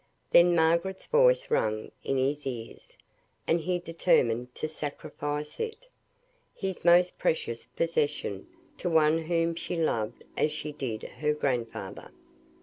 Then Margaret's voice rang in his ears; and he determined to sacrifice it, his most precious possession, to one whom she loved, as she did her grandfather.